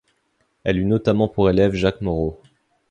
Elle eut notamment pour élève Jacques Moreau.